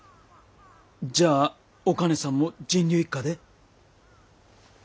じゃあお兼さんも神龍一家で？